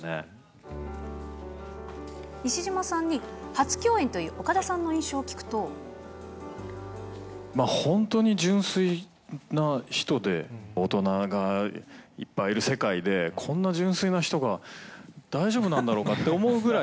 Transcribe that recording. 西島さんに初共演という岡田本当に純粋な人で、大人がいっぱいいる世界で、こんな純粋な人が大丈夫なんだろうかって思うぐらい。